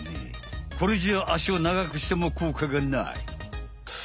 これじゃああしを長くしてもこうかがない。